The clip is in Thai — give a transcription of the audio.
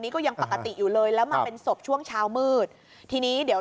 ก็ยังปกติอยู่เลยแล้วมาเป็นศพช่วงเช้ามืดทีนี้เดี๋ยว